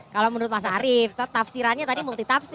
kalau menurut mas arief tafsirannya tadi multi tafsir